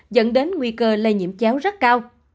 dẫn đến nguy cơ lây nhiễm chéo rất cao